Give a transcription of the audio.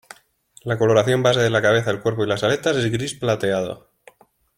La coloración base de la cabeza, el cuerpo y las aletas, es gris plateado.